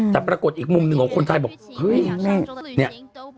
แต่ปรากฏอีกมุมหนึ่งของคนไทยบอกเฮ้ยเนี่ย